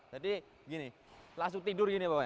jadi begini langsung tidur begini bapaknya